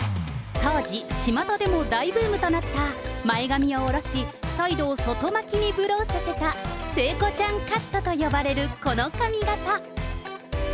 当時、ちまたでも大ブームとなった前髪を下ろし、サイドを外巻きにブローさせた聖子ちゃんカットと呼ばれるこの髪形。